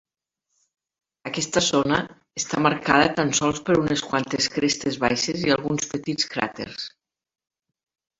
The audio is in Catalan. Aquesta zona està marcada tan sols per unes quantes crestes baixes i alguns petits cràters.